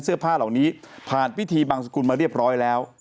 เสื้อผ้าเหล่านี้ผ่านพิธีบังสกุลมาเรียบร้อยแล้ว